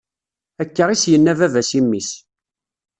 Akka is-yenna baba-s i mmi-s.